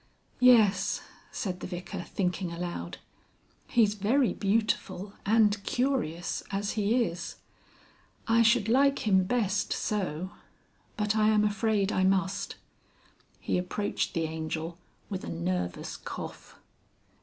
"Yes," said the Vicar, thinking aloud. "He's very beautiful and curious as he is. I should like him best so. But I am afraid I must." He approached the Angel with a nervous cough.